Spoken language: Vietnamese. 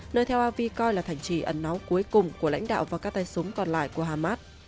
nơi theo avi coi là thành trì ẩn náu cuối cùng của lãnh đạo và các tay súng còn lại của hamas